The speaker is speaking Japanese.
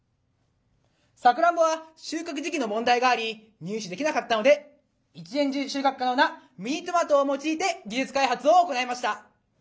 さくらんぼは収穫時期の問題があり入手できなかったので１年中収穫可能なミニトマトを用いて技術開発を行いました。